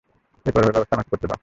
এই পর্বের ব্যবস্থা আমাকে করতে দাও।